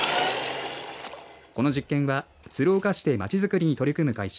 この実験は、鶴岡市でまちづくりに取り組む会社